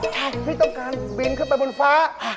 ใช่ที่ต้องการบินขึ้นไปบนฟ้า